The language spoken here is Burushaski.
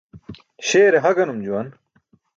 Śeere ha ganum juwan.